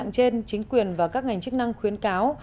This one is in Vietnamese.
trên chính quyền và các ngành chức năng khuyến cáo